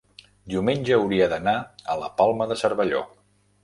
diumenge hauria d'anar a la Palma de Cervelló.